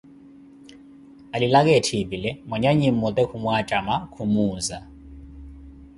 Alilaka etthipile, mwanyannyi mmote khumwatama, khumuuza.